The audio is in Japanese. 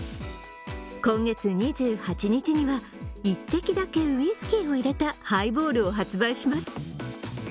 今月２８日には１滴だけウイスキーを入れたハイボールを発売します。